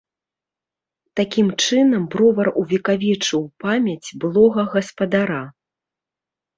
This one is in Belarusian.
Такім чынам бровар увекавечыў памяць былога гаспадара.